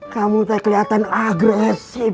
kamu terlihat agresif